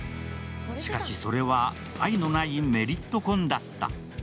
しかし、それは愛のないメリット婚だった。